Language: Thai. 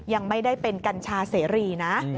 ยังไม่ได้เป็นกัญชาเสรีนะ